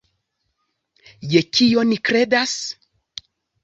Je kio ni kredas?